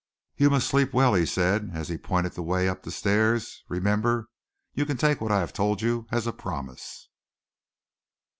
"You must sleep well," he said, as he pointed the way up the stairs. "Remember, you can take what I have told you as a promise."